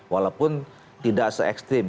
walaupun tidak se ekstrim